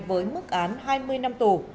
với mức án hai mươi năm tù